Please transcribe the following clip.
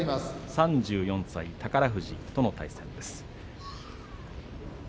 ３４歳、宝富士との対戦です。